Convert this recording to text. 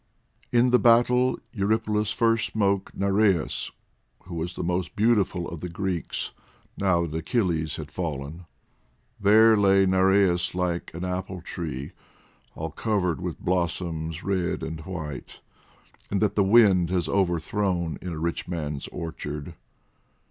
In that battle Eurypylus first smote Nireus, who was the most beautiful of the Greeks now that Achilles had fallen. There lay Nireus, like an apple tree, all covered with blossoms red and white, that the wind has overthrown in a rich man's orchard.